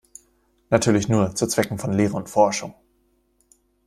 Natürlich nur zu Zwecken von Lehre und Forschung.